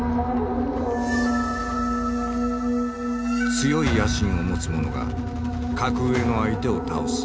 強い野心を持つ者が格上の相手を倒す。